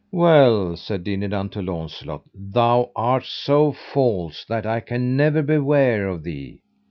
Well, said Dinadan to Launcelot, thou art so false that I can never beware of thee.